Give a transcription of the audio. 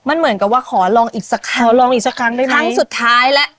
มันเหมือนกับว่าขอลองอีกสักครั้งลองอีกสักครั้งได้ไหมครั้งสุดท้ายแล้ว